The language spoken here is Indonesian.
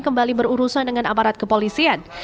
kembali berurusan dengan aparat kepolisian